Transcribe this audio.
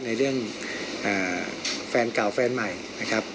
ในเรื่องแฟนเก่าแฟนใหม่นะครับ